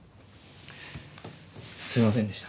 すいませんでした。